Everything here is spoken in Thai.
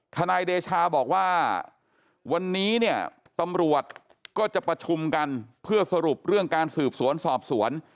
นายเดชาบอกว่าวันนี้เนี่ยตำรวจก็จะประชุมกันเพื่อสรุปเรื่องการสืบสวนสอบสวน